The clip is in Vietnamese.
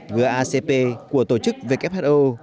gacp của tổ chức who